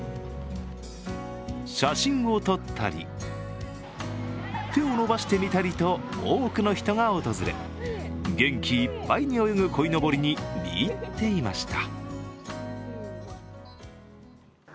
写真を撮ったり、手を伸ばしてみたりと多くの人が訪れ元気いっぱいに泳ぐこいのぼりに見入っていました。